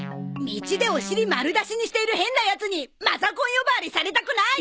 道でおしり丸出しにしている変なヤツにマザコン呼ばわりされたくない！